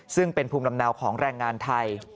ซึ่งเป็นภูมิลำเนาของแรงงานไทย